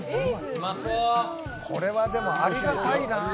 これはでも、ありがたいなあ。